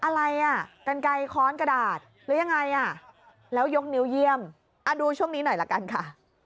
อะไรอ่ะกันไกลค้อนกระดาษแล้วยังไงอ่ะแล้วยกนิ้วเยี่ยมดูช่วงนี้หน่อยละกันค่ะ